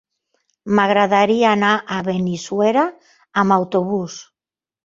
M'agradaria anar a Benissuera amb autobús.